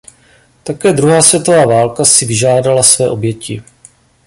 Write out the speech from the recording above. Také druhá světová válka si vyžádala své oběti.